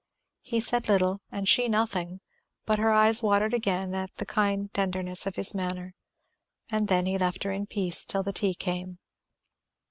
He said little, and she nothing, but her eyes watered again at the kind tenderness of his manner. And then he left her in peace till the tea came.